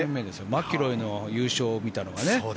マキロイの優勝を見たのがね。